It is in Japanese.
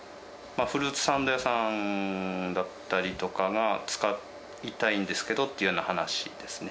フルーツサンド屋さんだったりとかが使いたいんですけどっていうような話ですね。